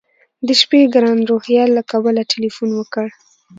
د شپې ګران روهیال له کابله تیلفون وکړ.